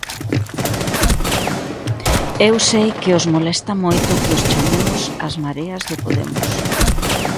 Eu sei que os molesta moito que os chamemos As Mareas de Podemos.